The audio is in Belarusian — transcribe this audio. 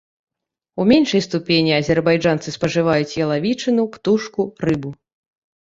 У меншай ступені азербайджанцы спажываюць ялавічыну, птушку, рыбу.